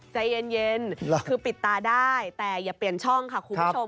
ใจเย็นคือปิดตาได้แต่อย่าเปลี่ยนช่องค่ะคุณผู้ชม